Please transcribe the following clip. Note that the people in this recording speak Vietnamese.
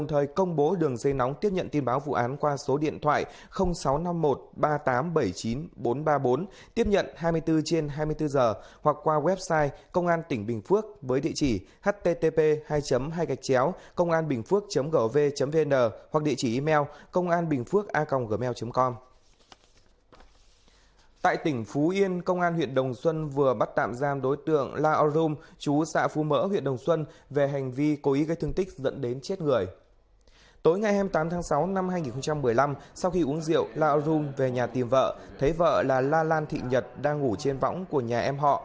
tối ngày hai mươi tám tháng sáu năm hai nghìn một mươi năm sau khi uống rượu lao rung về nhà tìm vợ thấy vợ là la lan thị nhật đang ngủ trên võng của nhà em họ